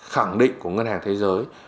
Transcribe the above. khẳng định của ngân hàng thế giới